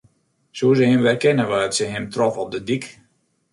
Soe se him werkenne wannear't se him trof op de dyk?